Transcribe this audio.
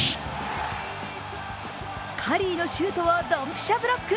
カリーのシュートをドンピシャブロック。